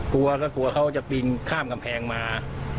กลัวเขาจะบินข้ามกำแพงมา